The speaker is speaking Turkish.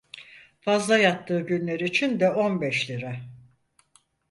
Fazla yattığı günler için de on beş lira…